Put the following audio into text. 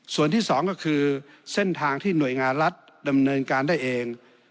ส่วนที่สองก็คือเส้นทางที่หน่วยงานรัฐดำเนินการได้เอง